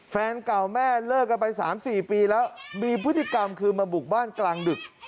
แฟนเก่าแม่เลิกกันไป๓๔ปีแล้วมีพฤติกรรมคือมาบุกบ้านกลางดึก